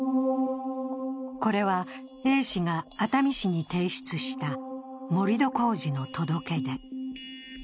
これはＡ氏が熱海市に提出した盛り土工事の届け出。